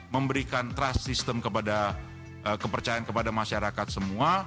memberikan trust system kepada kepercayaan kepada masyarakat semua